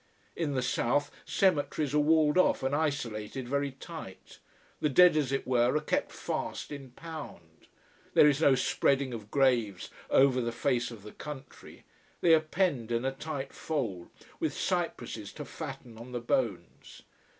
In the south, cemeteries are walled off and isolated very tight. The dead, as it were, are kept fast in pound. There is no spreading of graves over the face of the country. They are penned in a tight fold, with cypresses to fatten on the bones.